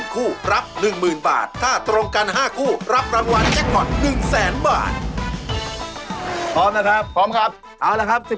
เพราะฉะนั้นคนนี้พอรอบแม่แก่คุณต้ำครับ